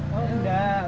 maaf enggak dulu